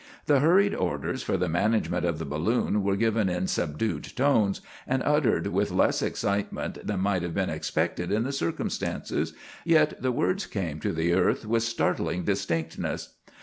The hurried orders for the management of the balloon were given in subdued tones, and uttered with less excitement than might have been expected in the circumstances, yet the words came to the earth with startling distinctness.